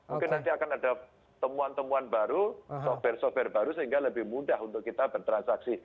mungkin nanti akan ada temuan temuan baru software software baru sehingga lebih mudah untuk kita bertransaksi